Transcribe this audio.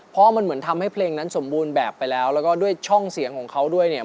เพราะมันเหมือนทำให้เพลงนั้นสมบูรณ์แบบไปแล้วแล้วก็ด้วยช่องเสียงของเขาด้วยเนี่ย